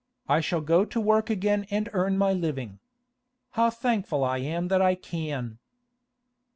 I shall go to work again and earn my living. How thankful I am that I can!